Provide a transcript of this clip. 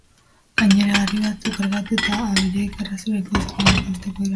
Gainean harri batzuk kargatu eta abereek arrastaturik, sokilak hausteko balio zuen.